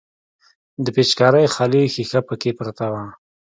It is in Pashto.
د پيچکارۍ خالي ښيښه پکښې پرته وه.